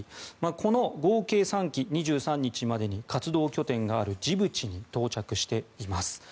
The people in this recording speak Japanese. この合計３機、２３日までに活動拠点があるジブチに到着しています。